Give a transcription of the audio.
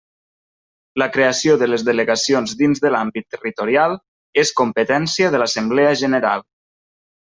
La creació de les delegacions dins de l'àmbit territorial és competència de l'Assemblea General.